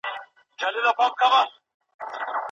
ایا موږ د اوږده اتڼ لپاره ډوډۍ راوړه؟